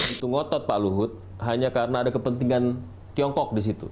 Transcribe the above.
itu ngotot pak luhut hanya karena ada kepentingan tiongkok di situ